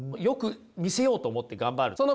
よく見せようと思って頑張る？